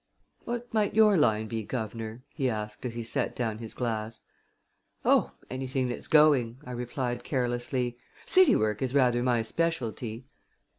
"What might your line be, guvnor?" he asked as he set down his glass. "Oh, anything that's going," I replied carelessly. "City work is rather my specialty."